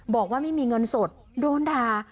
บอกว่าไม่มีเงินสดโดนด่า